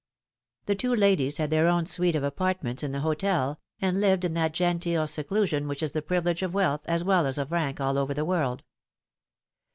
The two ladies had their own suite of apartments in the hotel, and lived in that genteel seclusion which is the privilege of wealth as well as of rank all over the world.